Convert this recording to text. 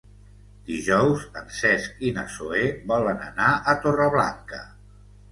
Dijous en Cesc i na Zoè volen anar a Torreblanca.